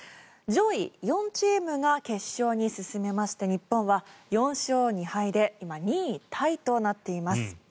上位４チームが決勝に進めまして日本は４勝２敗で今、２位タイとなっています。